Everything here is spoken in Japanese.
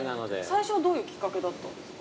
◆最初はどういうきっかけだったんですか。